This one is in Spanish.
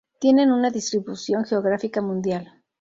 Tienen una distribución geográfica mundial.